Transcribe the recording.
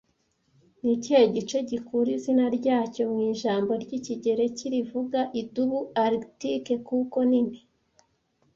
Ni kihe gice gikura izina ryacyo mu ijambo ry'Ikigereki rivuga idubu Arctic kuko nini